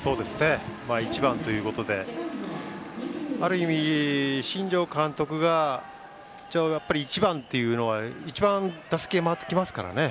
１番ということである意味、新庄監督が１番というのは打席が一番回ってきますからね。